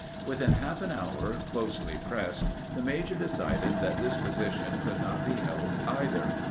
Within half an hour, closely pressed, the major decided that this position could not be held either.